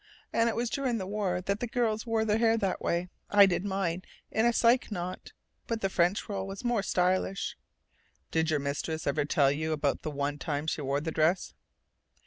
And it was during the war that girls wore their hair that way I did mine in a Psyche knot, but the French roll was more stylish." "Did your mistress ever tell you about the one time she wore the dress?"